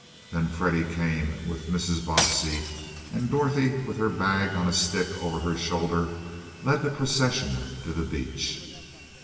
Then Freddie came with Mrs. Bobbsey, and Dorothy, with her bag on a stick over her shoulder, led the procession to the beach.